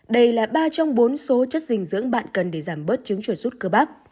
đây là ba trong bốn số chất dình dưỡng bạn cần để giảm bớt chứng chùa sút cơ bắp